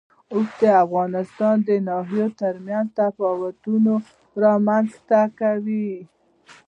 اوښ د افغانستان د ناحیو ترمنځ تفاوتونه رامنځ ته کوي.